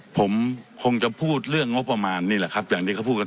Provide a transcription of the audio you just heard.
ผมคงจะพูดเรื่องงบประมาณนี่แหละครับอย่างที่เขาพูดกัน